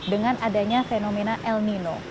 dengan adanya fenomena el nino